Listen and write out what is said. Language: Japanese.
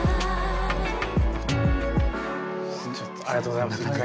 ありがとうございます。